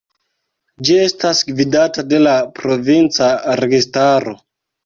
Ĝi estas gvidata de la provinca registaro.